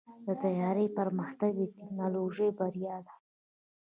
د طیارې پرمختګ د ټیکنالوژۍ بریا ده.